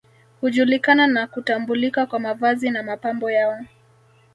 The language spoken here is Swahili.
Hujulikana na kutambulika kwa mavazi na mapambo yao